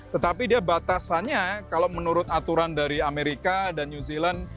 tetapi dia batasannya kalau menurut aturan dari amerika dan new zealand